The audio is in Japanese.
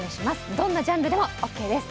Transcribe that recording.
どんなジャンルでもオーケーです。